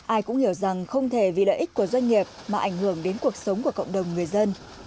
ai cũng hiểu rằng không thể vì lợi ích của doanh nghiệp mà ảnh hưởng đến cuộc sống của cộng đồng người dân